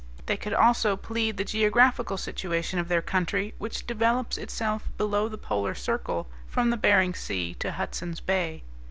They could also plead the geographical situation of their country, which develops itself below the polar circle from the Behring Sea to Hudson's Bay.